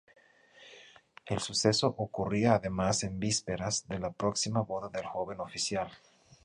El suceso ocurría además en vísperas de la próxima boda del joven oficial.